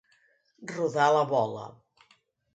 Rodar la bola.